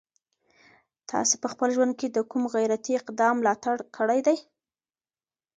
تاسي په خپل ژوند کي د کوم غیرتي اقدام ملاتړ کړی دی؟